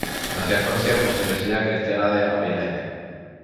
La ciudad es conocida por su Universidad Cristiana de Abilene.